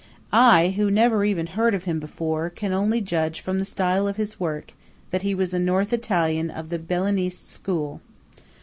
I, who never even heard of him before, can only judge from the style of his work that he was a North Italian of the Bellinesque school.